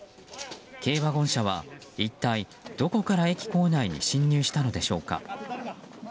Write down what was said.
軽ワゴン車は一体どこから駅構内に進入したのでしょうか。